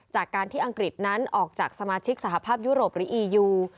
จากการที่อังกฤษนั้นออกจากสมาชิกสหภาพยุโรปหรืออียู